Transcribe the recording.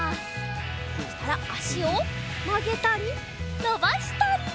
そしたらあしをまげたりのばしたり！